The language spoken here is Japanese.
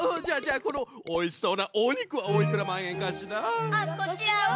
じゃあじゃあこのおいしそうなおにくはおいくらまんえんかしら？